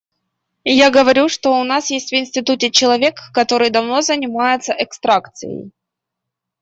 Я говорю, что у нас есть в институте человек, который давно занимается экстракцией.